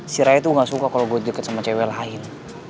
si raya tuh gak suka kalo gue deket sama cewek lain